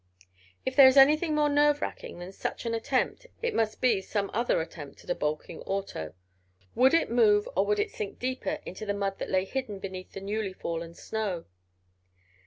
If there is anything more nerve racking than such an attempt, it must be some other attempt at a balking auto. Would it move, or would it sink deeper into the mud that lay hidden beneath the newly fallen snow?